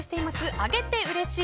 あげてうれしい！